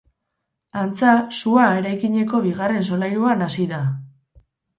Antza, sua eraikineko bigarren solairuan hasi da.